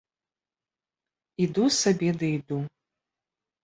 Іду сабе ды іду.